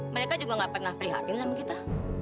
mereka juga gak pernah prihatin sama kita